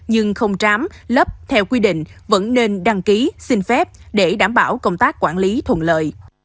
nhưng không trám lấp theo quy định vẫn nên đăng ký xin phép để đảm bảo công tác quản lý thuận lợi